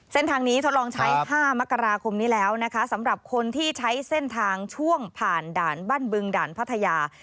เส้นทางนี้ทดลองใช้๕มกราคมนี้แล้วนะคะสำหรับคนที่ใช้เส้นทางช่วงผ่านด่านบ้านบึงด่านพัทยา